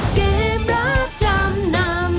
คุณมาน